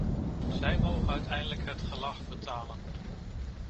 Zij mogen uiteindelijk het gelag betalen.